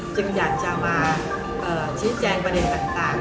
อยากจะมาชี้แจงประเด็นต่าง